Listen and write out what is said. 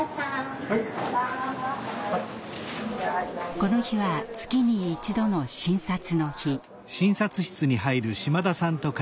この日は月に１度の診察の日。